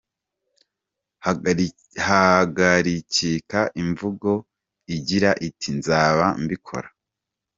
Hagarikika imvugo igira iti “Nzaba mbikora”.